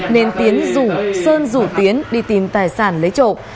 nên tiến rủ sơn rủ tiến đi tìm tài sản lấy trộm